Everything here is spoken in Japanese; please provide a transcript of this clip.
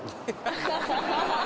「ハハハハ！」